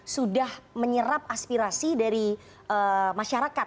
sudah menyerap aspirasi dari masyarakat